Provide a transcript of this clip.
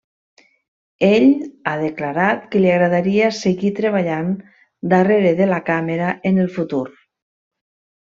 Ell ha declarat que li agradaria seguir treballant darrere de la càmera en el futur.